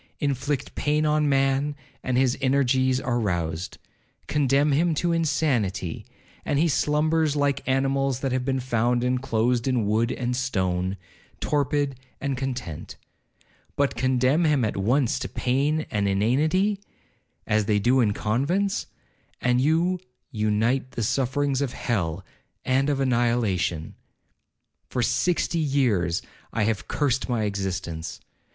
Inflict pain on man, and his energies are roused—condemn him to insanity, and he slumbers like animals that have been found inclosed in wood and stone, torpid and content; but condemn him at once to pain and inanity, as they do in convents, and you unite the sufferings of hell and of annihilation. For sixty years I have cursed my existence.